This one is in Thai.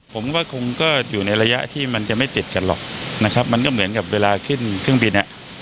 ผมก็คงก็อยู่ในระยะที่มันจะไม่ติดกันหรอกนะครับมันก็เหมือนกับเวลาขึ้นเครื่องบินอ่ะ